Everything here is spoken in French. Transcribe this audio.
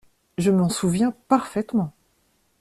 Je m’en souviens parfaitement.